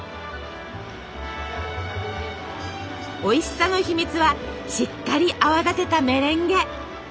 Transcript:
おいしさの秘密はしっかり泡立てたメレンゲ。